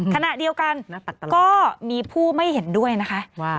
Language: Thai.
ขณะเดียวกันก็มีผู้ไม่เห็นด้วยนะคะ